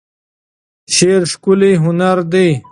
شعر ښکلی هنر دی.